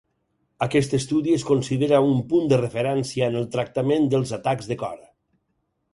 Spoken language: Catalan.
Aquest estudi es considera un punt de referència en el tractament dels atacs de cor.